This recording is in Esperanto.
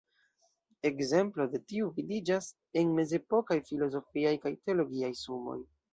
Ekzemplo de tiu vidiĝas en mezepokaj filozofiaj kaj teologiaj sumoj.